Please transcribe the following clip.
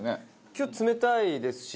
今日冷たいですし。